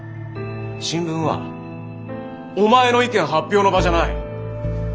新聞はお前の意見発表の場じゃない。